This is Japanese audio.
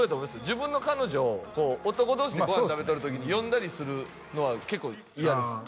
自分の彼女を男同士でご飯食べとる時に呼んだりするのは結構嫌です